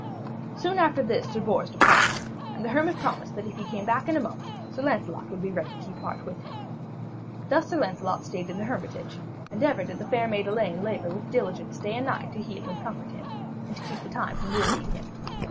Soon after this Sir Bors departed, and the hermit promised that if he came back in a month, Sir Lancelot would be ready to depart with him. Thus Sir Lancelot stayed in the hermitage, and ever did the fair maid Elaine labour with diligence day and night to heal and comfort him, and to keep the time from wearying him.